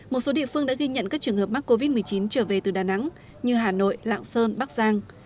một số địa phương đã ghi nhận các trường hợp mắc covid một mươi chín trở về từ đà nẵng như hà nội lạng sơn bắc giang